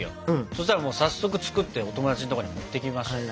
そしたら早速作ってお友達のとこに持っていきましたよ。